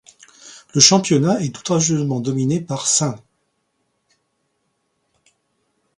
Le championnat est outrageusement dominé par St.